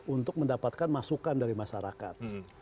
untuk mendapatkan masukan dari masyarakat